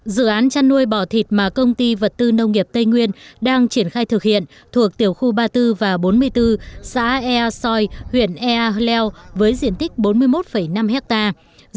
dự án chăn nuôi bò thịt mà công ty vật tư nông nghiệp tây nguyên đang triển khai thực hiện thuộc tiểu khu ba mươi bốn và bốn mươi bốn xã ea soi huyện ea h leo với diện tích bốn mươi một năm hectare